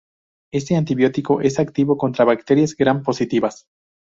Este antibiótico es activo contra bacterias Gram positivas.